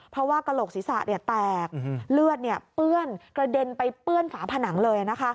เพราะว่ากระโหลกศีรษะแตกเลือดเปื้อนกระเด็นไปเปื้อนฝาผนังเลย